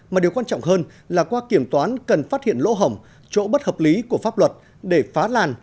mà điều quan trọng hơn là qua kiểm toán cần phát hiện lỗ hỏng chỗ bất hợp lý của pháp luật để phá làn